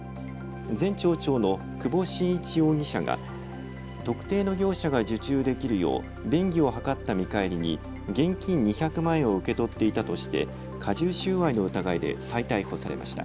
前町長の久保眞一容疑者が特定の業者が受注できるよう便宜を図った見返りに現金２００万円を受け取っていたとして加重収賄の疑いで再逮捕されました。